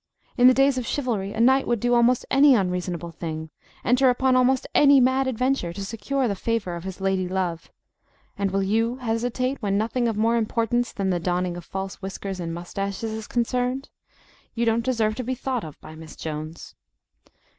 In the days of chivalry, a knight would do almost any unreasonable thing enter upon almost any mad adventure to secure the favour of his lady love; and will you hesitate when nothing of more importance than the donning of false whiskers and moustaches is concerned? You don't deserve to be thought of by Miss Jones."